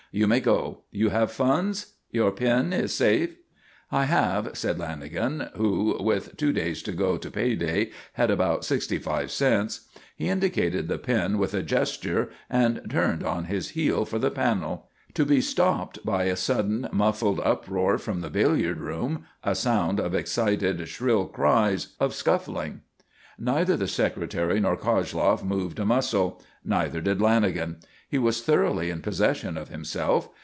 You may go. You have funds? Your pin is safe?" "I have," said Lanagan, who, with two days to go to pay day, had about sixty five cents. He indicated the pin with a gesture and turned on his heel for the panel, to be stopped by a sudden muffled uproar from the billiard room, a sound of excited, shrill cries, of scuffling. Neither the Secretary nor Koshloff moved a muscle; neither did Lanagan. He was thoroughly in possession of himself.